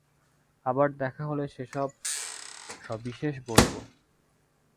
আবার দেখা হলে সে-সব সবিশেষ বলব।